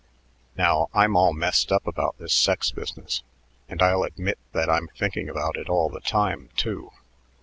Now, I'm all messed up about this sex business, and I'll admit that I'm thinking about it all the time, too.